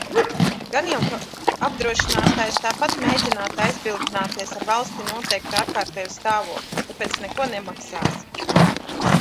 Gan jau apdrošinātājs tāpat mēģinātu aizbildināties ar "valstī noteiktu ārkārtēju stāvokli", tāpēc "neko nemaksāsim".